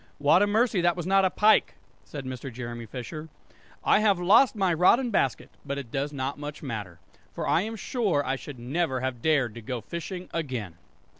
"What a mercy that was not a pike!" said Mr. Jeremy Fisher. "I have lost my rod and basket; but it does not much matter, for I am sure I should never have dared to go fishing again!"